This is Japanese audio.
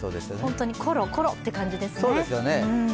本当にコロコロという感じですね。